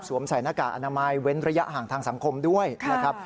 ใส่หน้ากากอนามัยเว้นระยะห่างทางสังคมด้วยนะครับ